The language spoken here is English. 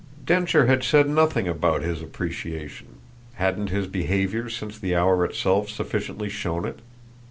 Densher had said nothing about his appreciation: hadn't his behaviour since the hour itself sufficiently shown it?